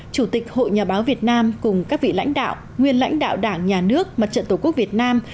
chủ tịch hội nhà báo việt nam cùng các vị lãnh đạo nguyên lãnh đạo đảng nhà nước mặt trận tổ quốc việt nam